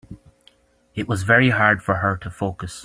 It was very hard for her to focus.